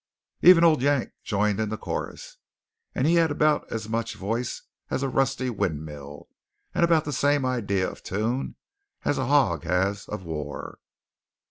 Even old Yank joined in the chorus, and he had about as much voice as a rusty windmill, and about the same idea of tune as a hog has of war.